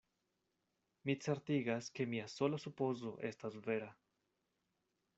Mi certigas, ke mia sola supozo estas vera.